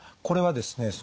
これはですね